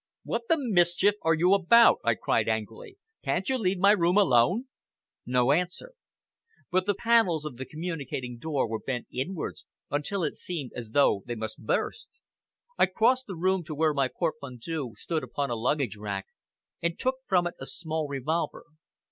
"What the mischief are you about?" I cried angrily. "Can't you leave my room alone?" No answer; but the panels of the communicating door were bent inwards until it seemed as though they must burst. I crossed the room to where my portmanteau stood upon a luggage rack, and took from it a small revolver.